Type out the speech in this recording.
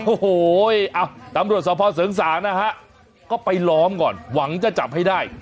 โอ้โหตำรวจสภเสริงสางนะฮะก็ไปล้อมก่อนหวังจะจับให้ได้